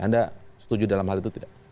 anda setuju dalam hal itu tidak